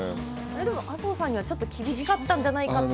でも、麻生さんには厳しかったんじゃないかって。